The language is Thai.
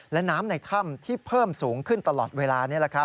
และน้ำในถ้ำที่เพิ่มสูงขึ้นตลอดเวลา